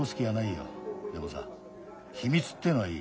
でもさ秘密ってのはいい。